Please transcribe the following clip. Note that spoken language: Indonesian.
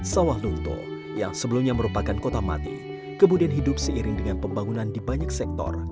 sawah lunto yang sebelumnya merupakan kota mati kemudian hidup seiring dengan pembangunan di banyak sektor